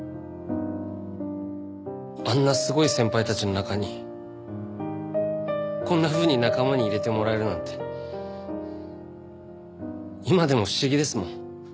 あんなすごい先輩たちの中にこんなふうに仲間に入れてもらえるなんて今でも不思議ですもん。